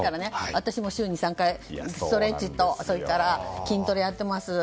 私も週に３回ストレッチと筋トレやってます。